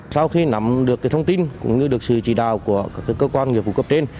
sau khi nắm được thông tin cũng như được sự chỉ đạo của các cơ quan nghiệp vụ